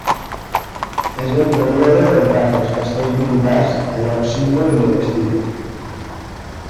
És el període del pas dels castells militars a llocs símbol i de prestigi.